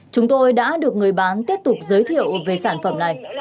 chúng tôi đã được người bán tiếp tục giới thiệu về sản phẩm này